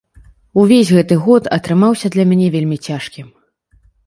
Увесь гэты год атрымаўся для мяне вельмі цяжкім.